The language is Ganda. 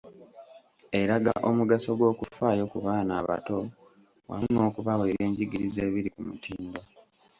Eraga omugaso gw’okufaayo ku baana abato wamu n’okubawa eby’enjigiriza ebiri ku mutindo.